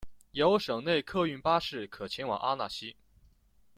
有省内客运巴士可前往阿讷西。